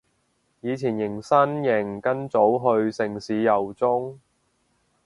以前迎新營跟組去城市遊蹤